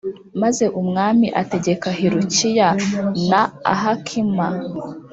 Maze umwami ategeka Hilukiya na Ahikamu